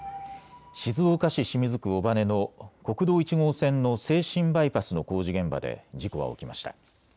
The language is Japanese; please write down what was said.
静岡市清水区尾羽の国道１号線の静清バイパスの工事現場で事故は起きました。